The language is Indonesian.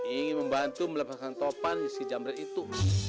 ingin membantu melepaskan topan si jamret itu